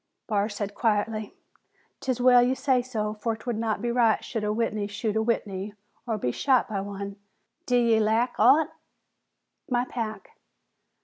Barr said quietly, "'Tis well ye say so, for 'twould not be right should a Whitney shoot a Whitney or be shot by one. D'ye lack aught?" "My pack."